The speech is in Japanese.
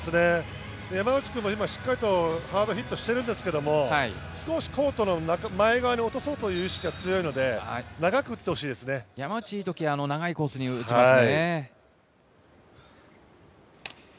山内君も今しっかりとヒットしてるんですけど少しコートの前側に落とそうという意識が強いの山内はいい時は長いコースに打ちますよね。